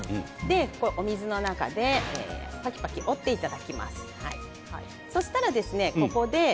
お水の中で先を折っていただきます。